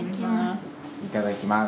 いただきます。